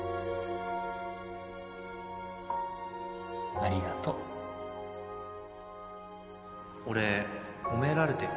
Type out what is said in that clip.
ありがとう俺褒められてる？